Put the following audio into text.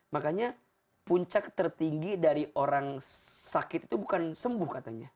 makanya puncak tertinggi dari orang sakit itu bukan sembuh katanya